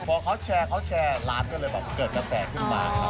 พอเขาแชร์ร้านก็เลยเกิดกระแสขึ้นมา